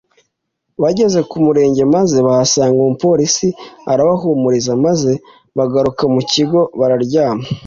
bageze ku murenge maze bahasanga umupolisi arabahumuriza maze bagaruka mu kigo bararyama”